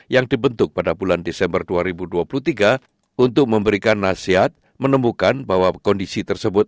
yang dibentuk pada bulan desember dua ribu dua puluh tiga untuk memberikan nasihat menemukan bahwa kondisi tersebut